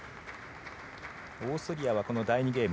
オーストリアはこの第２ゲーム